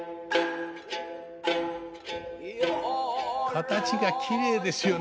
形がきれいですよね。